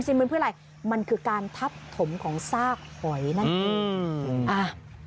มันเพื่ออะไรมันคือการทับถมของซากหอยนั่นเอง